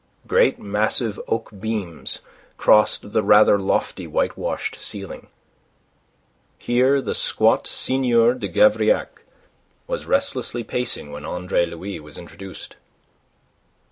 Great massive oak beams crossed the rather lofty whitewashed ceiling. Here the squat Seigneur de Gavrillac was restlessly pacing when Andre Louis was introduced.